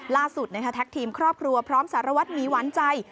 แท็กทีมครอบครัวพร้อมสารวัตรหมีหวานใจ